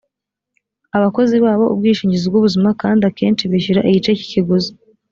abakozi babo ubwishingizi bw ubuzima kandi akenshi bishyura igice cy ikiguzi